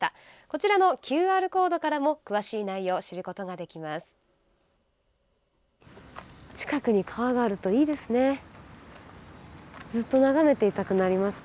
こちらのＱＲコードからも詳しい内容、知ることができます。